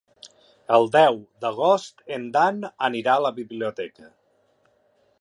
El deu d'agost en Dan anirà a la biblioteca.